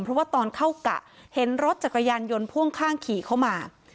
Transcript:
เพราะว่าตอนเข้ากะเห็นรถจักรยานยนต์พ่วงข้างขี่เข้ามา